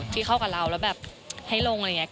ที่เข้ากับเราแล้วแบบให้ลงอะไรอย่างนี้